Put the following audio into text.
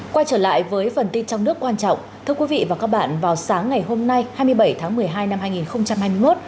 quay trở lại với phần tin trong nước quan trọng thưa quý vị và các bạn vào sáng ngày hôm nay hai mươi bảy tháng một mươi hai năm hai nghìn hai mươi một